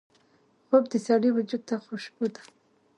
خوب د سړي وجود ته خوشبو ده